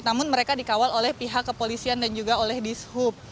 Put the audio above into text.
namun mereka dikawal oleh pihak kepolisian dan juga oleh dishub